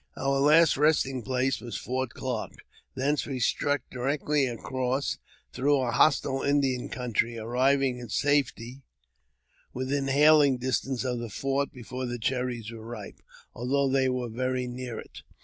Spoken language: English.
Our last resting place was Fort Clarke. Thence we struck directly across through a hostile Indian country, arriving in safety within hailing dis tance of the fort before the cherries were ripe, although they were very near it.